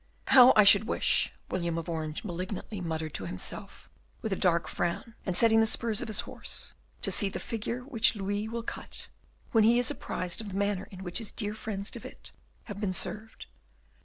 "How I should wish," William of Orange malignantly muttered to himself, with a dark frown and setting the spurs to his horse, "to see the figure which Louis will cut when he is apprised of the manner in which his dear friends De Witt have been served!